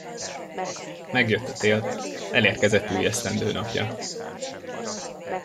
Megjött a tél, elérkezett újesztendő napja.